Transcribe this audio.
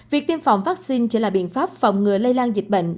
việc tiêm phòng vaccine sẽ là biện pháp phòng ngừa lây lan dịch bệnh